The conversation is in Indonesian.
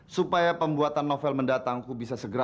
supaya pembuatan novel mendatangku bisa segera